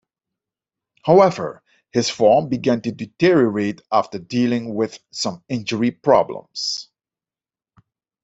However, his form began to deteriorate after dealing with some injury problems.